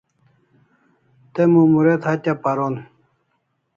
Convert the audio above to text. Te Mumuret hatya paron